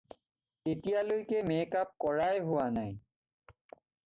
এতিয়ালৈকে মেক-আপ কৰাই হোৱা নাই।